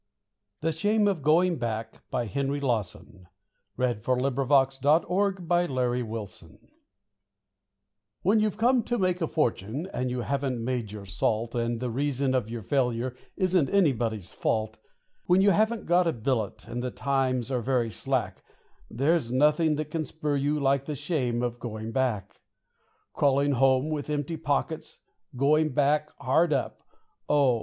k to the handle in spite of the Finger of Death on his heart. The Shame of Going Back When you've come to make a fortune and you haven't made your salt, And the reason of your failure isn't anybody's fault When you haven't got a billet, and the times are very slack, There is nothing that can spur you like the shame of going back; Crawling home with empty pockets, Going back hard up; Oh!